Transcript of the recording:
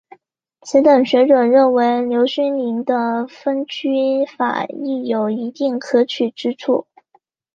此等学者认为刘勋宁的分区法亦有一定可取之处。